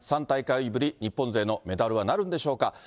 ３大会ぶり、日本勢のメダルはなるんでしょうか。